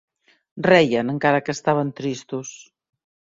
Reien encara que estaven tristos.